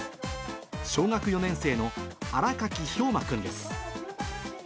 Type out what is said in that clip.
小学４年生の新垣兵真君です。